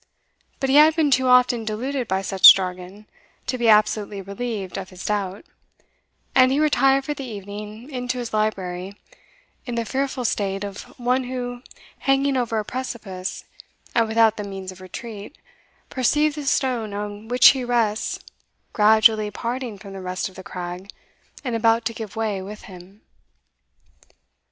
But he had been too often deluded by such jargon, to be absolutely relieved of his doubt, and he retired for the evening into his library, in the fearful state of one who, hanging over a precipice, and without the means of retreat, perceives the stone on which he rests gradually parting from the rest of the crag, and about to give way with him.